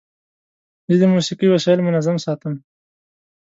زه د موسیقۍ وسایل منظم ساتم.